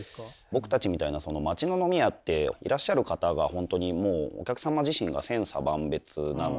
僕たちみたいな町の飲み屋っていらっしゃる方が本当にもうお客様自身が千差万別なので。